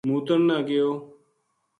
موتن نا گیو